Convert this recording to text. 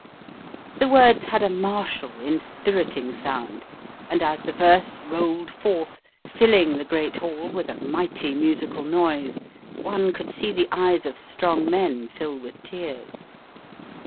The words had a martial, inspiriting sound, and as the verse rolled forth, filling the great hall with a mighty musical noise, one could see the eyes of strong men fill with tears.